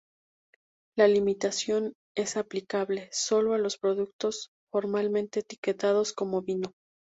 La limitación es aplicable solo a los productos formalmente etiquetados como "vino".